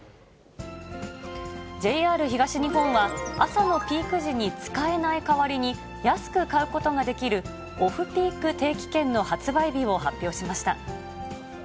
ＪＲ東日本は、朝のピーク時に使えない代わりに、安く買うことができる、オフピーク定期券の発売日を発表しました。